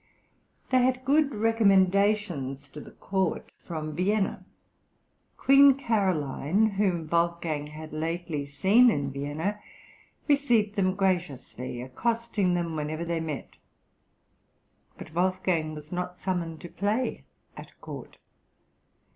They had good recommendations to the court from Vienna. Queen Caroline, whom Wolfgang had lately seen in Vienna, received them graciously, accosting them whenever they met; but Wolfgang was not summoned to play at court.